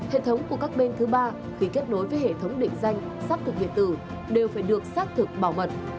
hệ thống của các bên thứ ba khi kết nối với hệ thống định danh xác thực điện tử đều phải được xác thực bảo mật